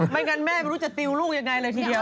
งั้นแม่ไม่รู้จะติวลูกยังไงเลยทีเดียว